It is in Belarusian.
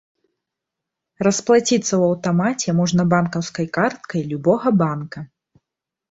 Расплаціцца ў аўтамаце можна банкаўскай карткай любога банка.